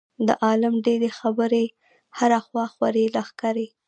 د عالم ډېرې خبرې هره خوا خورې لښکرې.